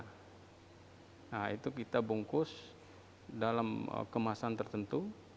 nah itu kita bungkus dalam kemasan tertentu